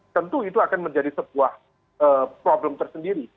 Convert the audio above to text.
tentu itu akan menjadi sebuah problem tersendiri